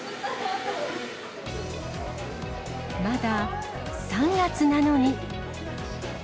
まだ３月なのに。